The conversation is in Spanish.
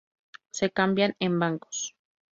Se cambian en bancos.